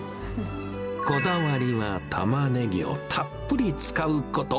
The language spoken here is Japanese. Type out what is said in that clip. こだわりはたまねぎをたっぷり使うこと。